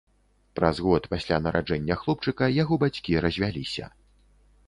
Праз год пасля нараджэння хлопчыка яго бацькі развяліся.